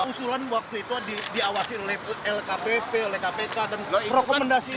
usulan waktu itu diawasi oleh lkpp oleh kpk dan rekomendasi